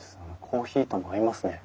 コーヒーとも合いますね。